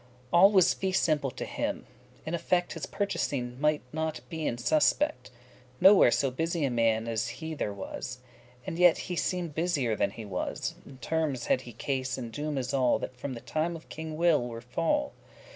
All was fee simple to him, in effect His purchasing might not be in suspect* *suspicion Nowhere so busy a man as he there was And yet he seemed busier than he was In termes had he case' and doomes* all *judgements That from the time of King Will. were fall.